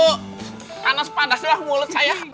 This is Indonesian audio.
karena sepadas lah mulut saya